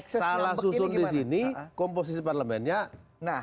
salah susun disini komposisi parlementnya